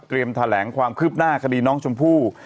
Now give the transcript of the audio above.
แถลงความคืบหน้าคดีน้องชมพู่